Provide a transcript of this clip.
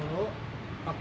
aku setahun yang belakang kan